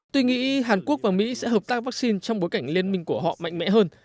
tôi nghĩ hàn quốc và mỹ sẽ hợp tác vaccine trong bối cảnh liên minh của họ mạnh mẽ hơn